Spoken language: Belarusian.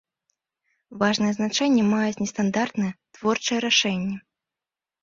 Важнае значэнне маюць нестандартныя, творчыя рашэнні.